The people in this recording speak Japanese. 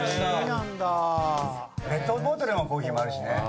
ペットボトルのコーヒーもあるしね。